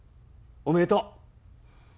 おめでとう。